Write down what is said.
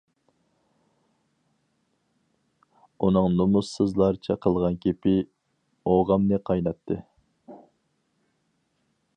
ئۇنىڭ نومۇسسىزلارچە قىلغان گېپى ئوغامنى قايناتتى.